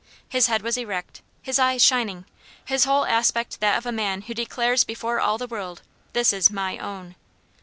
His head was erect, his eyes shining his whole aspect that of a man who declares before all the world, "This is MY OWN."